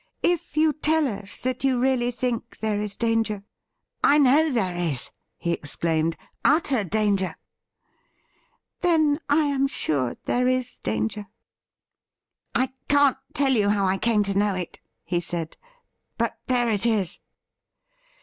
If you tell us that you really think there is danger '* I know there is,' he exclaimed —' utter danger !'' Then I am sure there is danger.' ' I can't tell you how I came to know it,' he said, ' but there it is.'